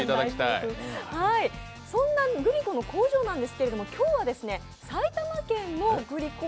そんなグリコの工場なんですけど、今日は埼玉県のグリコ